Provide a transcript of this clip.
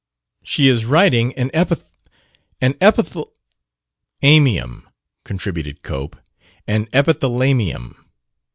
She is writing an epitha an epithal "" amium," contributed Cope. "An epithala mium."